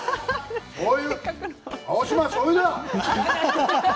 青島、しょうゆだ。